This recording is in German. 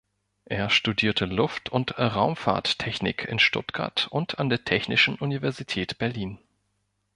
Er studierte Luft- und Raumfahrttechnik in Stuttgart und an der Technischen Universität Berlin.